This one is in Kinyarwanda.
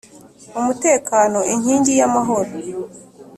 umutekano inkingi y’amahoro,